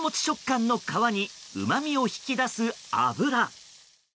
食感の皮にうまみを引き出す油。